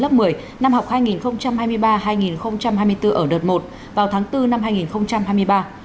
lớp một mươi năm học hai nghìn hai mươi ba hai nghìn hai mươi bốn ở đợt một vào tháng bốn năm hai nghìn hai mươi ba